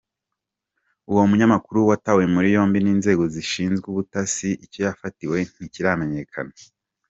Uwo munyamakuru watawe muri yombi n’inzego zishinzwe ubutasi, icyo yafatiwe ntikiramenyekana.